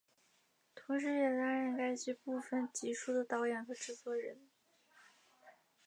同时也担任该剧部分集数的导演和制作人。